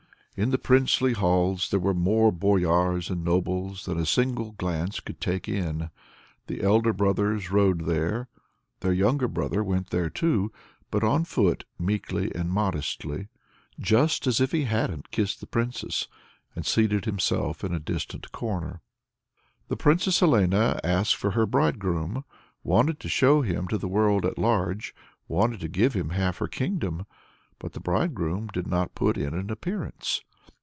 In the princely halls there were more boyars and nobles than a single glance could take in. The elder brothers rode there. Their younger brother went there too, but on foot, meekly and modestly, just as if he hadn't kissed the Princess, and seated himself in a distant corner. The Princess Helena asked for her bridegroom, wanted to show him to the world at large, wanted to give him half her kingdom; but the bridegroom did not put in an appearance!